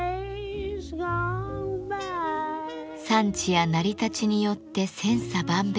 産地や成り立ちによって千差万別。